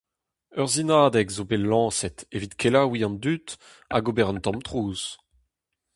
Ur sinadeg zo bet lañset evit kelaouiñ an dud hag ober un tamm trouz.